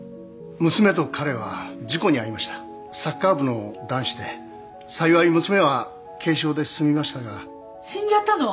娘と彼は事故に遭いましたサッカー部の男子で幸い娘は軽傷で済みましたが死んじゃったの？